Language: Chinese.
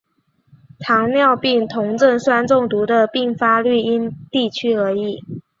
糖尿病酮症酸中毒的病发率因地区而异。